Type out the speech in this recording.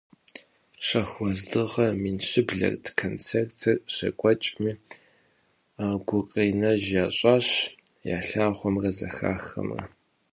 Шэху уэздыгъэ мин щыблэрт концертыр щекӀуэкӀми, гукъинэж ящӀащ ялъагъумрэ зэхахымрэ.